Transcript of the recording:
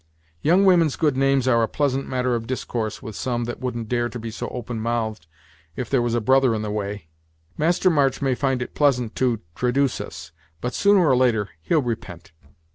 "Young women's good names are a pleasant matter of discourse with some that wouldn't dare be so open mouthed if there was a brother in the way. Master March may find it pleasant to traduce us, but sooner or later he'll repent.